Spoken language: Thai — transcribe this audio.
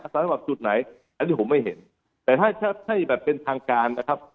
สำหรับจุดไหนอันนี้ผมไม่เห็นแต่ถ้าให้แบบเป็นทางการนะครับ